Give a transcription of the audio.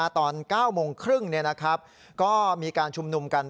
ตอน๙โมงครึ่งก็มีการชุมนุมกัน